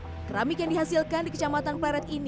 bukanlah keramik yang dihasilkan di kecamatan pleret